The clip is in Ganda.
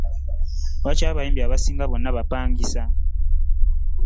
Lwaki abayimbi abasinga bonna bapangisa.